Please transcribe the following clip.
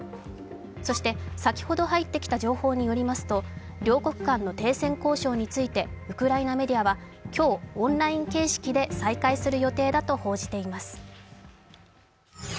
そして、先ほど入ってきた情報によりますと、両国間の停戦交渉についてウクライナメディアは今日、オンライン形式で再開する予定だと報じています。